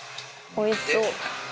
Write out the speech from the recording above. おいしそう。